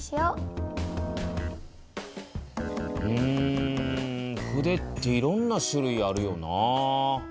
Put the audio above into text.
うん筆っていろんな種類あるよな。